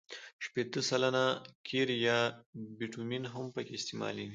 شپېته سلنه قیر یا بټومین هم پکې استعمالیږي